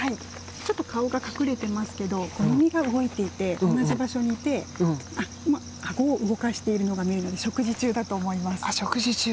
顔が隠れてますけど耳が動いていて同じ場所にいてあごを動かしているのが見えるので食事中だと思います。